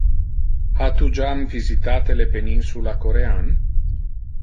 Ha tu jam visitate le peninsula corean?